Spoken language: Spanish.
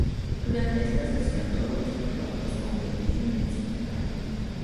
Durante esta sesión, todos los pilotos competían en simultáneo.